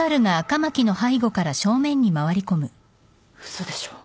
嘘でしょ？